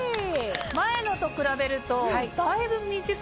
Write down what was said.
前のと比べるとだいぶ短い。